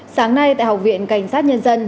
sáng nay tại học viện cảnh sát nhân dân